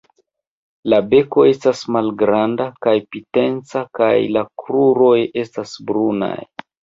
La beko estas malgranda kaj pinteca kaj la kruroj estas brunaj.